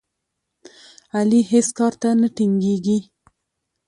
علي هېڅ کار ته نه ټینګېږي.